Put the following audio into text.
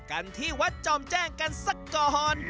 กันที่วัดจอมแจ้งกันสักก่อน